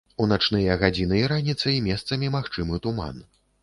У начныя гадзіны і раніцай месцамі магчымы туман.